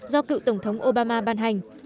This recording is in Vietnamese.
do cựu tổng thống obama ban hành